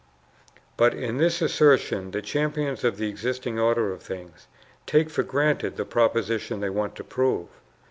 But in this assertion the champions of the existing order of things take for granted the proposition they want to prove.